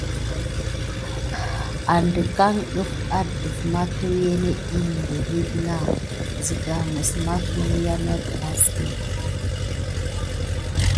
Əŋɗeke defà aɗef mà kifà net ɗik piriti nà sika mis namtua siga.